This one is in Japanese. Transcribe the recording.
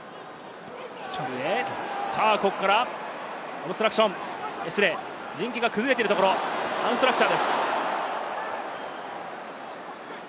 さぁここからオブストラクション、準備が崩れているところ、アンストラクチャーです。